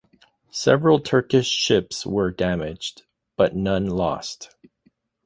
Several Turkish ships were damaged, but none lost.